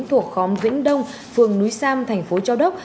thuộc khóm vĩnh đông phường núi sam thành phố châu đốc